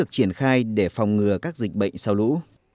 triển khai để phòng ngừa các dịch bệnh sau lũ